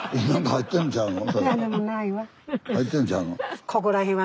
入ってんちゃうの？